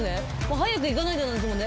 早く行かなきゃなんですもんね。